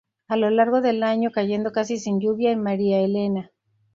A lo largo del año, cayendo casi sin lluvia en María Elena.